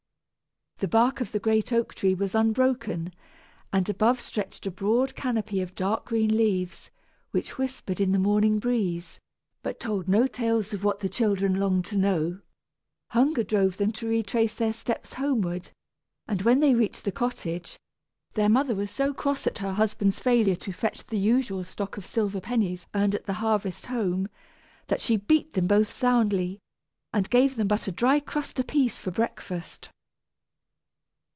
The bark of the great oak tree was unbroken, and above stretched a broad canopy of dark green leaves, which whispered in the morning breeze, but told no tales of what the children longed to know. Hunger drove them to retrace their steps homeward; and when they reached the cottage, their mother was so cross at her husband's failure to fetch her the usual stock of silver pennies earned at the harvest home, that she beat them both soundly, and gave them but a dry crust apiece for breakfast.